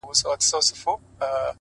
o گراني فريادي دي بـېــگـــاه وويل ـ